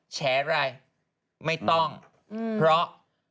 แฉอะไรไม่ต้องเพราะ